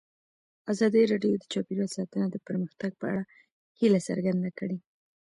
ازادي راډیو د چاپیریال ساتنه د پرمختګ په اړه هیله څرګنده کړې.